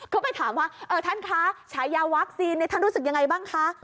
ก็ไปถามว่าท่านคะฉายาวัคซีนท่านรู้สึกยังไงบ้างคะ